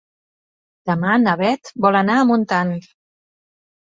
Demà na Bet vol anar a Montant.